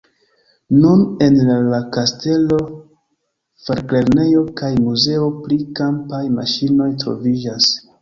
Nun en la kastelo faklernejo kaj muzeo pri kampaj maŝinoj troviĝas.